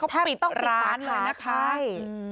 เขาปิดร้านเลยนะคะถ้าต้องปิดตราคาใช่